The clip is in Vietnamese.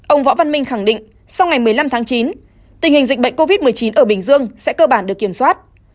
ông võ văn minh khẳng định sau ngày một mươi năm tháng chín tình hình dịch bệnh covid một mươi chín ở bình dương sẽ cơ bản được kiểm soát